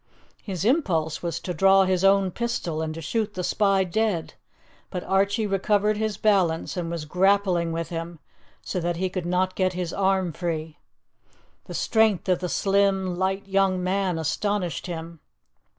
His impulse was to draw his own pistol, and to shoot the spy dead, but Archie recovered his balance, and was grappling with him so that he could not get his arm free. The strength of the slim, light young man astonished him.